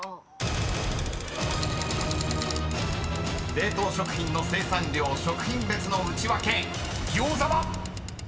［冷凍食品の生産量食品別のウチワケ餃子は⁉］